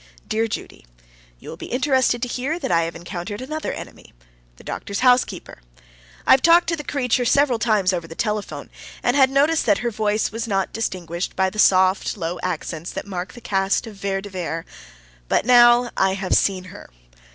Dear Judy: You will be interested to hear that I have encountered another enemy the doctor's housekeeper. I had talked to the creature several times over the telephone, and had noted that her voice was not distinguished by the soft, low accents that mark the caste of "Vere de Vere"; but now I have seen her.